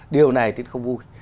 điều này thì không vui